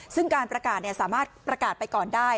ซึ่งการประกาศสามารถประกาศไปก่อนได้